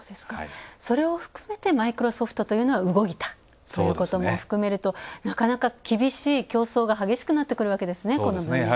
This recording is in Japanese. それを含めてマイクロソフトというのは動いたということも含めると、なかなか厳しい競争が激しくなってくるわけですね。